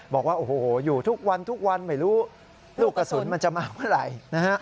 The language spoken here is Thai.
บอกว่าโอ้โฮอยู่ทุกวันไม่รู้ลูกกระสุนมันจะมาเมื่อไหร่